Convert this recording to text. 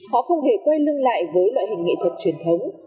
họ không hề quay lưng lại với loại hình nghệ thuật truyền thống